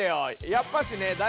やっぱしね「大！